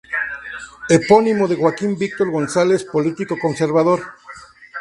Epónimo de Joaquín Víctor González, político conservador.